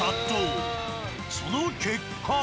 その結果。